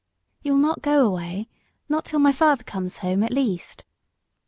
"You'll not go away; not till my father comes home, at least?"